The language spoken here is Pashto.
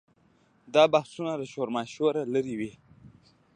دا بحثونه له شورماشوره لرې وي.